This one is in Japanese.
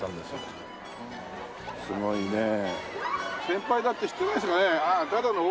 すごいね。